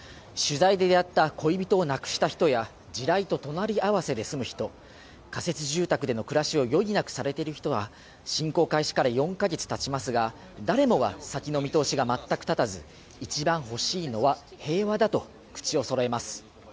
恋人を亡くした人や地雷と隣り合わせで住む人仮設住宅での暮らしを余儀なくされている人は侵攻開始から４か月経ちますが誰もが先の見通しが全く立たず一番欲しいのは平和だと口をそろえます。